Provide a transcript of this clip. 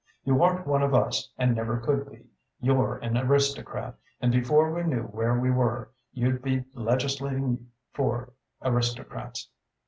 You aren't one of us and never could be. You're an aristocrat, and before we knew where we were, you'd be legislating for aristocrats.